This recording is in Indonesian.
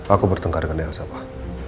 aku bertengkar dengan elsa pak